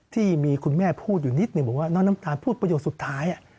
ที่มีคุณแม่พูดอยู่นิดนึงบอกว่าน้องน้ำตาลพูดประโยคสุดท้าย